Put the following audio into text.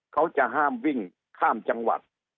เขาจะห้ามวิ่งข้ามจังหวัด